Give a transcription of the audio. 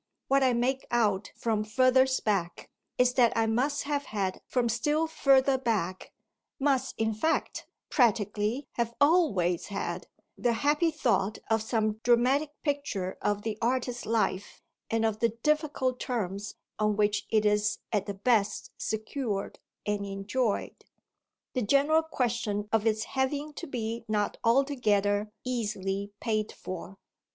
What I make out from furthest back is that I must have had from still further back, must in fact practically have always had, the happy thought of some dramatic picture of the "artist life" and of the difficult terms on which it is at the best secured and enjoyed, the general question of its having to be not altogether easily paid for.